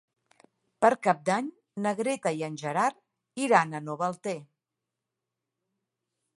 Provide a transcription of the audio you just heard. Per Cap d'Any na Greta i en Gerard iran a Novetlè.